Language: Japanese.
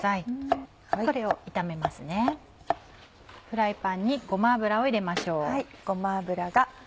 フライパンにごま油を入れましょう。